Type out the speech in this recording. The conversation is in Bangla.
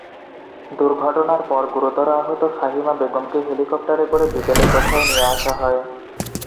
দুর্ঘটনার পর গুরুতর আহত ফাহিমা বেগমকে হেলিকপ্টারে করে বিকেলে কোথায় নিয়ে আসা হয়?